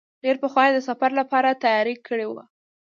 ډېر پخوا یې د سفر لپاره تیاری کړی و.